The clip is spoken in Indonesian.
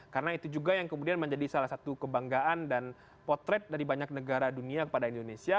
karena itu juga yang kemudian menjadi salah satu kebanggaan dan potret dari banyak negara dunia kepada indonesia